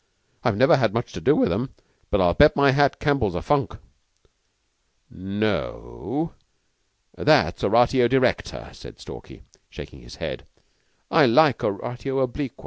"I've never had much to do with 'em, but I'll bet my hat Campbell's a funk." "No o! That's oratio directa," said Stalky, shaking his head. "I like oratio obliqua.